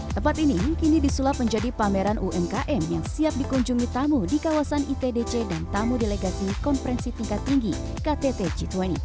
tempat ini kini disulap menjadi pameran umkm yang siap dikunjungi tamu di kawasan itdc dan tamu delegasi konferensi tingkat tinggi ktt g dua puluh